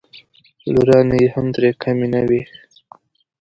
لورانې یې هم ترې کمې نه وې.